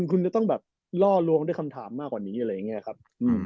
คุณจะต้องแบบล่อลวงด้วยคำถามมากกว่านี้อะไรอย่างนี้ครับ